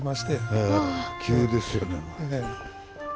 ええ急ですよね。